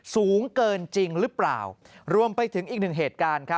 สูงเกินจริงหรือเปล่ารวมไปถึงอีกหนึ่งเหตุการณ์ครับ